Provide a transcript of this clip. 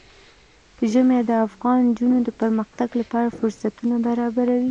ژمی د افغان نجونو د پرمختګ لپاره فرصتونه برابروي.